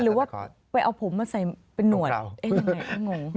หรือว่าไปเอาผมมาใส่เป็นหนวดยังไงต้องงง